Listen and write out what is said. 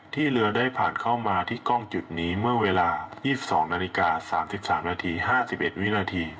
เรือได้ผ่านเข้ามาที่กล้องจุดนี้เมื่อเวลา๒๒นาฬิกา๓๓นาที๕๑วินาที